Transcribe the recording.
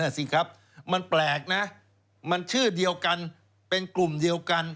สิครับมันแปลกนะมันชื่อเดียวกันเป็นกลุ่มเดียวกัน